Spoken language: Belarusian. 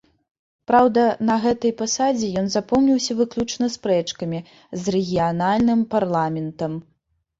Праўда, на гэтай пасадзе ён запомніўся выключна спрэчкамі з рэгіянальным парламентам.